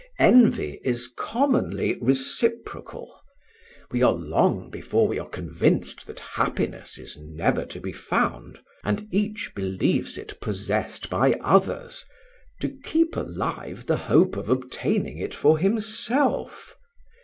Envy is commonly reciprocal. We are long before we are convinced that happiness is never to be found, and each believes it possessed by others, to keep alive the hope of obtaining it for himself.